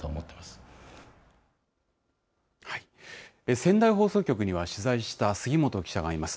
仙台放送局には、取材した杉本記者がいます。